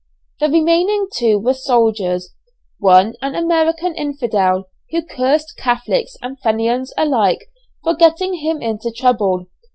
The remaining two were soldiers: one an American infidel, who cursed Catholics and Fenians alike for getting him into trouble.